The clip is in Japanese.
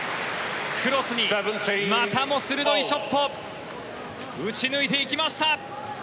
クロスにまたも鋭いショット打ち抜いていきました。